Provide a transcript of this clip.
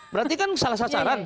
berarti kan salah sasaran